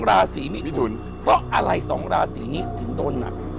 ก็เอาล่ายสองราศรีนี้ถึงต้นน่ะ